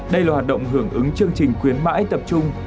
đây là hoạt động hưởng ứng chương trình khuyến mãi tập trung